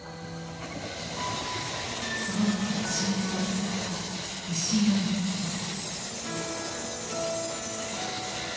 その時の心境をつづった石射の日記です。